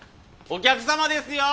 お客様ですよ！